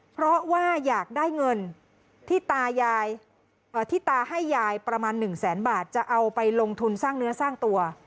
เพราะว่าอยากได้เงินที่ตายายที่ตาให้ยายประมาณ๑แสนบาทจะเอาไปลงทุนสร้างเนื้อสร้างตัว